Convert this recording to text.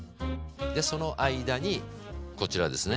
でその間にこちらですね。